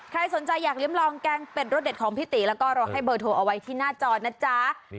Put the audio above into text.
ใครสนใจอยากลิ้มลองแกงเป็ดรสเด็ดของพี่ตีแล้วก็เราให้เบอร์โทรเอาไว้ที่หน้าจอนะจ๊ะ